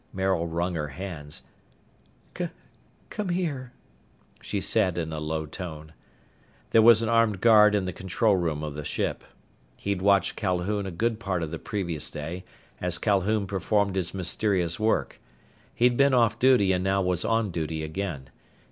Maril wrung her hands. "C come here," she said in a low tone. There was an armed guard in the control room of the ship. He'd watched Calhoun a good part of the previous day as Calhoun performed his mysterious work. He'd been off duty and now was on duty again.